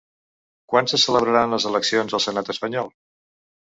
Quan se celebraran les eleccions al senat espanyol?